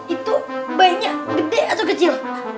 itu banyak gede atau kecil